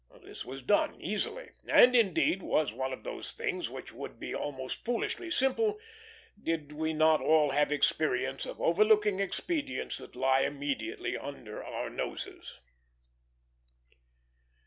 This was done easily, and indeed was one of those things which would be almost foolishly simple did we not all have experience of overlooking expedients that lie immediately under our noses.